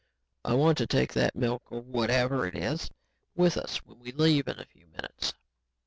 I want to take that milk, or whatever it is, with us when we leave in a few minutes."